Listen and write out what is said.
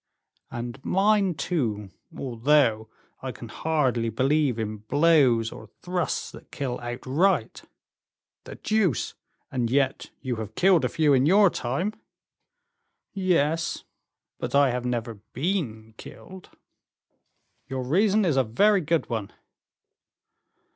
"And mine, too, although I can hardly believe in blows or thrusts that kill outright." "The deuce! and yet you have killed a few in your time." "Yes; but I have never been killed." "Your reason is a very good one."